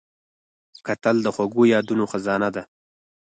کتل د خوږو یادونو خزانه ده